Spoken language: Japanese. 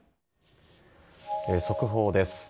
速報です。